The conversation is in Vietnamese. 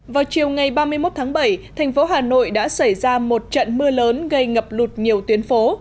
vào chiều ngày ba mươi một tháng bảy thành phố hà nội đã xảy ra một trận mưa lớn gây ngập lụt nhiều tuyến phố